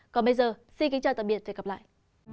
còn bây giờ xin kính chào tạm biệt và hẹn gặp lại